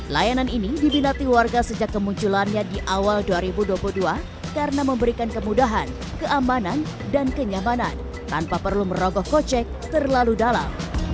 layanan ini dibinati warga sejak kemunculannya di awal dua ribu dua puluh dua karena memberikan kemudahan keamanan dan kenyamanan tanpa perlu merogoh kocek terlalu dalam